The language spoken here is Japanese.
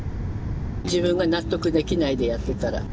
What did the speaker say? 自分が納得できないでやってたら。